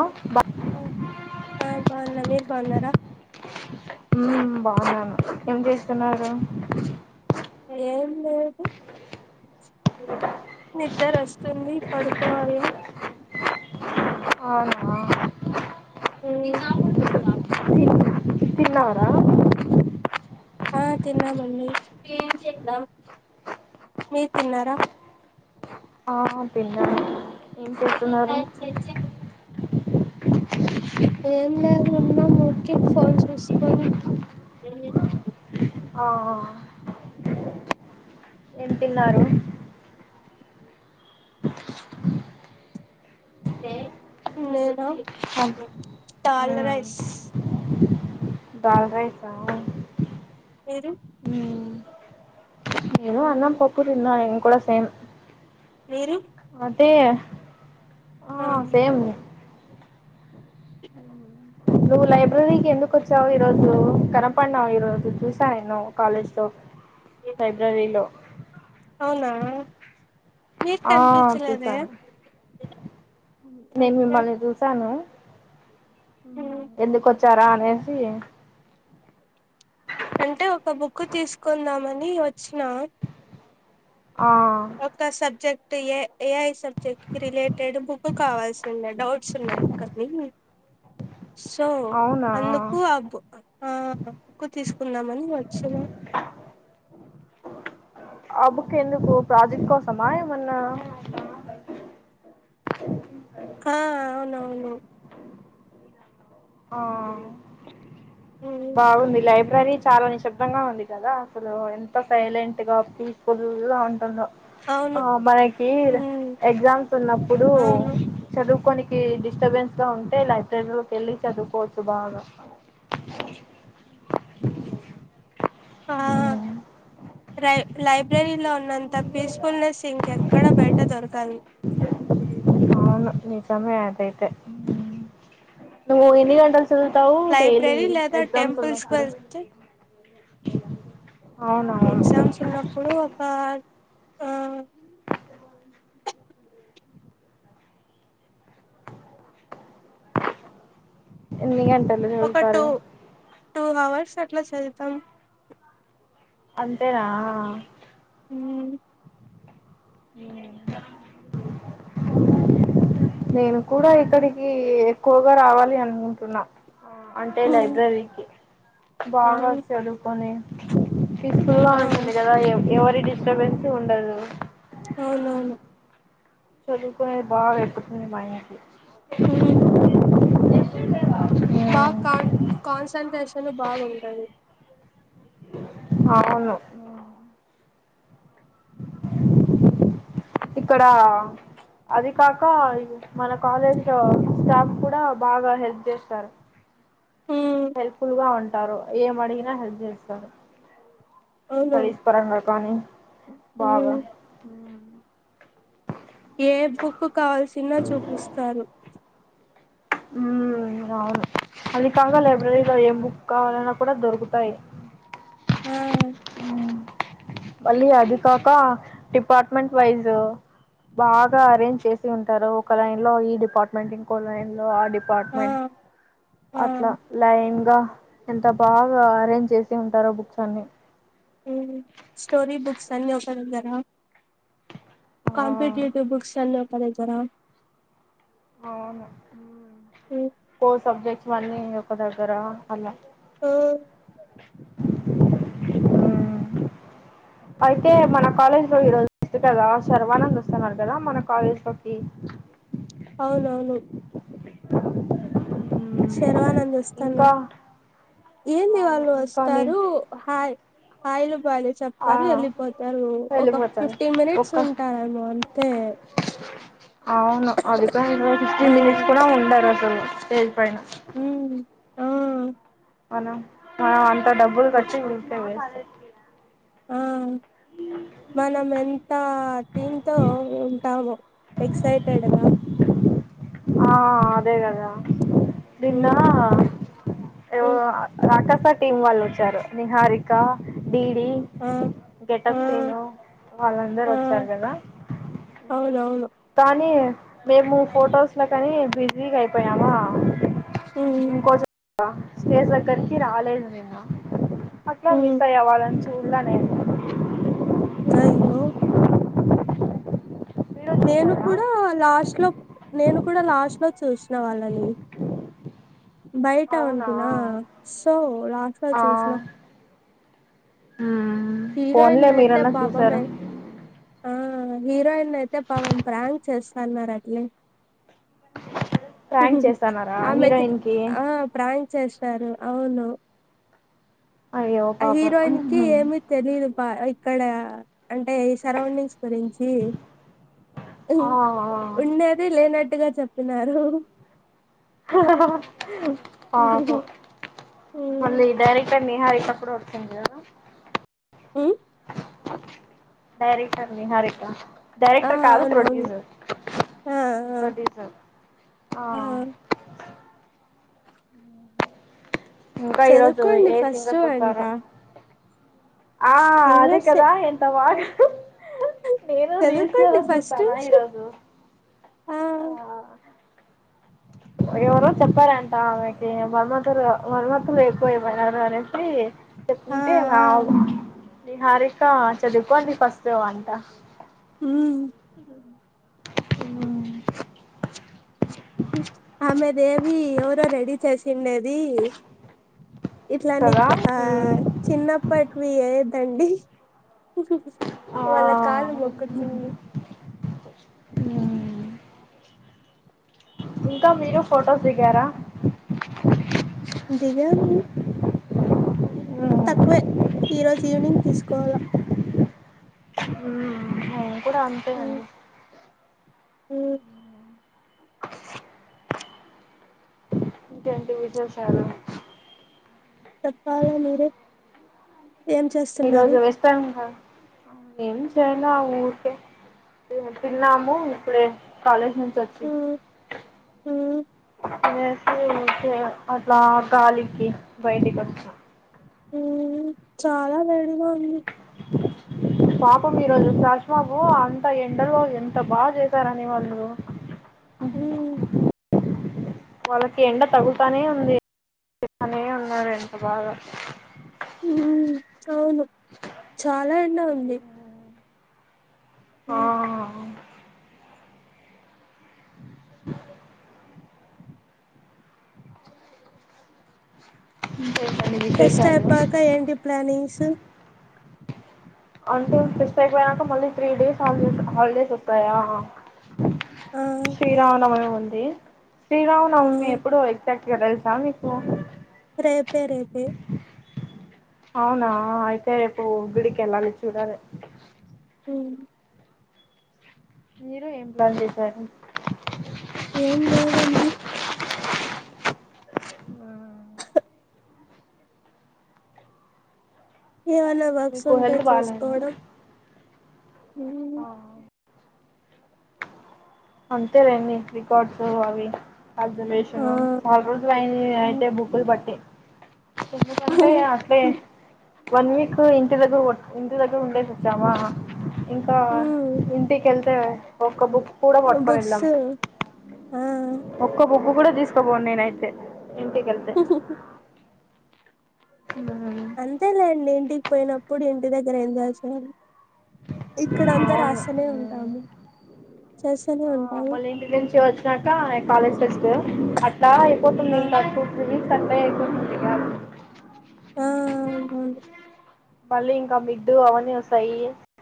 ఆ బా ఆ బాగున్నా మీరు బాగున్నారా బాగున్నాను ఏం చేస్తున్నారు ఏం లేదు నిద్దర వస్తుంది పడుపోవాల అవునా ఉ తిన్న తిన్నావా రా ఆ తిన్నామండి ఏం చేద్దాం మీరు తిన్నారా ఆ తిన్నా [unintelligible] ఏం లేదు ఉన్నాం ఊర్కే ఫోన్ చూసుకున్ ఆ తిన్నారు నేనా అ దాల్ రైస్ దాల్ రైసా మీరు మ్మ్ నేను అన్నం పప్పు తిన్నా నేను కూడా సేమ్ మీరు అదే ఆ సేమ్ నువ్వు లైబ్రరీకి ఎందుకు వచ్చావు ఈ రోజు కనపడ్నావు ఈ రోజు చూసా నేను కాలేజ్ లో లైబ్రరీలో నేనా ఆ చూసాను నేను మిమ్మల్ని చూసాను ఎందుకు వచ్చారా అనేసి అంటే ఒక బుక్ తీసుకుందామని వచ్చిన ఆ ఒక సబ్జెక్ట్ ఏ ఏఐ సబ్జెక్ట్ కి రిలేటెడ్ బు కు కావాల్సి ఉండ డౌట్స్ ఉన్నాయి కానీ సో అవునా అందుకు ఆ బ బుక్కు తీసుకుందామని వచ్చిన ఆ బుక్ ఎందుకు ప్రాజెక్ట్ కోసమా ఏమన్నా హా అవునవును ఆ మ్మ్ బాగుంది లైబ్రరీ చాలా నిశ్శబ్దంగా ఉంది కదా అసలు ఎంత సైలెంట్ గా పీస్ఫుల్ గా ఇళ్ల ఉంటుందో అవును ఆ మనకి మ్మ్ ఎగ్జామ్స్ ఉన్నప్పుడు అవును చదువుకొని డిస్టర్బెన్స్ గా ఉంటే లైబ్రరీలోకి వెళ్ళి చదువుకోవచ్చు బాగా ఆ ఉ లైబ్రరీలో ఉన్నంత పీస్ఫుల్నెస్ ఇంకెక్కడా బయట దొరకాలి అవును నిజమే అదైతే నువ్వు ఊయనివంట ఉంటావు డైలీ లైబ్రరీ లేదా ఎక్జామ్స్ టెంపుల్స్ కి ఉన్నప్పుడు వెళ్తే అవునవును ఎగ్జామ్స్ ఉన్నప్పుడు అక ఎన్ని గంటలు ఒక టూ చదువుతారు టూ అవర్స్ అట్లా చదువుతాం అంతేనా మ్మ్ అ నేను కూడా ఇక్కడికి ఎక్కువగా రావాలి అనుకుంటున్నా ఆ అంటే లైబ్రరీకి ఆ బాగా చదువుకొని ఫుల్లా ఆ ఉంటుంది కదా ఎ ఎవరి డిస్టర్బెన్స్ ఉండదు అవునవును చదువుకునేది బాగా ఎక్కుతుంది మాయాకి హూ బాగా కాన్ కాన్సంట్రేషన్ బాగుంటది అవును ఇక్కడా అది కాక మన కాలేజ్ లొ స్టాఫ్ కూడా బాగా హెల్ప్ చేస్తారు. ఉమ్ హెల్ప్ఫుల్ గా ఉంటారు ఏం అడిగినా హెల్ప్ చేస్తారు. అవును స్టడీస్ పరంగ కానీ బాగా. ఉమ్ ఏ బుక్ కావాల్సిన చూపిస్తారు. ఉ అవును అది కాక లైబ్రరీలో ఉమ్, ఏ బుక్. కావాలన్నా కూడా దొరుకుతాయి. ఆ. మళ్ళీ అది కాక డిపార్ట్మెంట్ వైజ్. బాగా అరేంజ్ చేసి ఉంటారు ఒక లైన్ లో ఈ డిపార్ట్మెంట్ ఇంకో లైన్ లో ఆ డిప్. ఆ డిపార్ట్మెంట్. ఆ అట్లా లైన్ గా ఎంత బాగా అరేంజ్ చేసి ఉంటారో బుక్స్ అన్ని. స్టోరీ బుక్స్ అన్ని ఒకదగ్గరా. ఆ కాంపిటీటివ్ బుక్స్ అన్నీ ఒకదగ్గరా. అవును ఫోర్ సబ్జెక్ట్స్ అన్నీ ఒక దగ్గర అలా. ఆ. మ్మ్ అయితే మన కాలేజ్ లో ఈరోజు ఉంది కదా శర్వానంద్ వస్తున్నారు కదా మన కాలేజ్ లోకి. అవునవును. శర్వానంద్ ఇంకా వస్తున్నారు ఏంది అవును వాళ్ళు ఇంకా నేను వస్తారు హాయ్. ఆయిలు. వాళ్ళు ఆ, చెప్తారు వెళ్ళిపోతారు ఒక వెళ్ళిపోతాను ఫిఫ్టీన్ మినిట్స్ ఒక్క ఉంటారేమో అంతే. అవును అదిక ఫిఫ్టీన్ ఆ మనిట్స్ కూడా ఉండారు అసలు స్టేజ్ పైన. హుమ్ ఆ మనం మనం అంత డబ్బులు కట్టి ఊరికే వేస్ట్. ఆ [inaudible] మనం ఎంత టీమ్తో ఉంటామో ఎక్సైటెడ్ గా. ఆ అదే గద. నిన్న ఉమ్ ఏమో ఉమ్ రాకాసి. రాకాసి టీం వాళ్లు వచ్చారు నీ హారిక డి డి. ఆ ఆ గెటప్ శీను వాళ్ళందరూ ఆ వచ్చారు కదా. అవునవును కానీ మేము ఫొటోస్ లో కాని బిజీగా అయిపోయామా. ఉమ్ ఇంకోసెప్. స్టేజ్ దగ్గరికి రాలేదు నిన్న అట్లా మిస్ ఉమ్ అయ్యా వాళ్ళని చూడలే నేను. అయ్యో. మీరు నేను చూసారా కూడా లాస్ట్ లో నేను కూడా లాస్ట్ లో చూసిన వాళ్ళని. బయట అవునా ఉంటినా సో లాస్టులో చూసిన. హుమ్. హీరోయినయితే పాపమే ఆ. హీరోయిన్ అయితే పాపం ప్రాంక్ చేస్తున్నారు అట్లే. ప్రాంక్ చేస్తన్నారా ఆమెకి హీరోయిన్ కి ఆ ప్రాంక్. చేస్తారు అవును. అయ్యో ఆ హీరోయిన్ పాపం కి ఏమి తెలీదు బ ఇక్కడ అంటే ఈ సరౌండింగ్స్. గురించి ఆ ఉండేది లేనట్. అట్టుగా చెప్పినారు. ఆ పాపం ఉమ్ మళ్ళీ డైరెక్టర్. నిహారిక కూడా వస్తుంది కదా. హమ. డైరెక్టర్ ని హారిక ఆ డైరెక్టర్ కాదు అవునవును ప్రొడ్యూసర్. ఆ ఆ ప్రొడ్యూసర్ ఆ. ఇంకా ఈ రోజు చదువుకోండి ఏ ఫస్ట్ సింగర్స్ అంట వస్తారో. ఆ అదే సింగర్సే కదా ఆ ఎంతబాగ నేను చదువుకోండి ఫస్ట్ రీల్స్లోచూసానా ఈ రోజు ఆ ఎవరో చెప్పారంట ఆమెకి మర్మతులు మర్మత్తులు ఎక్కువైపోయినారు అనేసి ఆ చెప్తుంటే ఇంగ ఆ నిహారిక చదువుకోండి ఫస్ట్ అంట మ్. ఏమని ఆమె దేవి ఎవరో రెడీ చేసిండేది. కదా ఇట్లానిప్ ఆ చిన్నప్పట్వి ఏయద్ధండి. ఆ వాళ్ళ కాళ్ళు ముక్కచ్చండి మ్. ఇంకా మీరు ఫొటోస్ దిగారా దిగాను. ఉ తక్కువే ఈరోజు ఈవినింగ్ తీసుకోవాల. నేను కూడా అంతే అండి. మ్. ఇంకేంటి విశేషాలు చెప్పాల మీరే. ఏం ఈ చేస్తున్నారు రోజు వేస్తాను గా ఆ ఏం చేయల. ఊరికే తిన్నాము. ఇప్పుడే కాలేజ్ నుంచోచ్చి. మ్మ్ మ్మ్ యాకే ఓకే. అట్లా గాలికి బయటికొచ్చా ఉమ్ చాలా వేడిగా ఉంది. పాపం ఈ రోజు చష్మాబు అంత ఎండలో ఎంత బాగా చేశారని వాళ్ళు ఉమ్. వాళ్ళకి ఎండ తగుల్తానే ఉంది. అని అన్నారంట బాగ అవును. చాలా ఎండ ఉంది. ఆ మ్మ్ ఆ ఇంకేంటండి ఫెస్ట్ విశేషాలు అయిపోయాక ఏంటి ప్లానింగ్స్ అంటే ఫెస్ట్ అయిపోయినాక మళ్ళీ త్రీ డేస్ హాలిడేస్ హాలిడేస్సోస్తాయా ఆ శ్రీరామనవమి ఉంది. ఆ శ్రీరామనవమి ఎప్పుడో ఎగ్ కరెక్ట్ గా తెలుసా మీకు రేపే రేపే. అవునా అయితే రేపు గుడికేళ్ళాలి. చూడాలి. మ్. మీరు ఏం ప్లాన్ చేశారు. ఏం లేదండి. ఆ ఏవన్నా వర్క్స్ మీకు ఉంటే హెల్త్ బాలేదా చేసుకోవడం. మ్. అంతే లేండి. రికార్డ్స్ అవి ఆ ఆబ్జెర్వేషను. చాల రోజులైంది మ్మ్ అయితే బుక్కులు పట్టి ఎందుకంటే అట్లే వన్ వీక్ ఇంటి దగ్గ్ ఇంటి దగ్గరుండేసి వచ్చామా ఇంకా మ్మ్ ఇంటికెళ్తే ఒక్క బుక్ కూడా పొట్టం బుక్స్ ఎల్లం ఆ ఒక్క ఇవు కూడా తీసుకోపోను నేన అయితే ఇంటికి వెళ్తే అంతేలేండి ఇంటికి పోయినప్పుడు ఇంటి దగ్గర ఎంజాయ్ చేయాలి ఇక్కడంతర అవును అస్తనే ఉంటాము చేస్తూనే ఆ ఉంటాము మళ్ళీ ఇంటి నుంచి వచ్చినాక కాలేజ్ ఫెస్ట్ అట్లా అయిపోతుంది ఆ ఇంకా అ టూ త్రీ వస్ అట్లా అయిపోతుంది ఇ ఆ అవును అవును మళ్ళీ ఇంకా మిడ్డు అవన్నీ వస్తాయి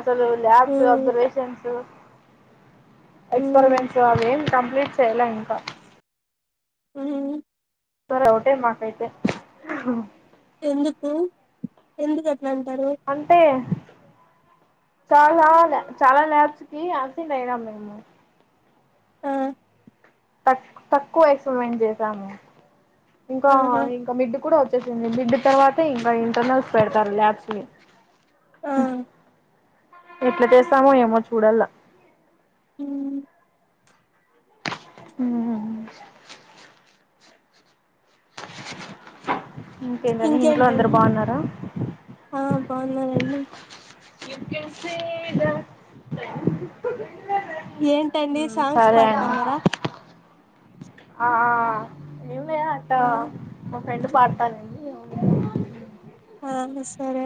అసలు labs um observations um experiments అవేం కంప్లీట్ చేయాల ఇంకా ఉ--హు సరే ఒకటే మాకైయితే ఎందుకు ఎందుకు అట్లా అంటారు అంతే చాలా చాలా నేర్స్కి అసిట్ అయినా మేము ఆ తక్ తక్కువ ఎక్స్పరిమెంట్ చేసాము ఇంకా ఆహా ఇంకా మిడ్ కూడా వ మిడ్డు తర్వాత ఇంకా ఇంటర్నల్స్ పెడతారు ల్యాబ్స్ కి ఆ ఎట్లా చేస్తామో ఏమో చూడల్లా ఉహ్ ఉహు ఇంకేంటని ఇంట్లో అందరు ఇంకేంటండి బాగున్నారా ఆ బాగున్నానండి యూ కన్ స ఏంటండీ సాంగ్స్ అండి పాడుతున్నారా ఆ ఆ ఏం లేదు అట ఆ ఫ్రెండ్ పడతంది అండి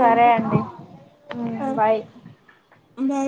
సరే అండి ఉ బాయ్ నై